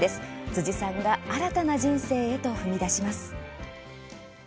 辻さんが新たな人生へと踏み出します。